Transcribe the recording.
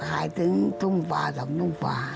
ขายถึงทุ่งป่าทำทุ่งป่า